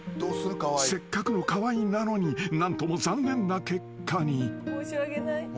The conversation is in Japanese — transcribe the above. ［せっかくの河井なのに何とも残念な結果に］